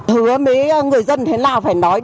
hứa mấy người dân thế nào phải nói